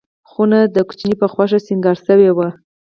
خونه د ماشوم په خوښه سینګار شوې وي.